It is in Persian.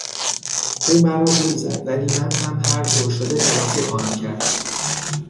او مرا گول زد ولی من هم هر طور شده تلافی خواهم کرد.